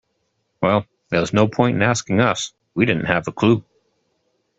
Well, there was no point asking us, we didn't have a clue.